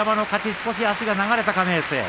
少し足が流れたか明生。